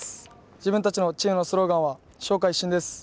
自分たちのチームのスローガンは「上下一心」です。